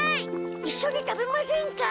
いっしょに食べませんか？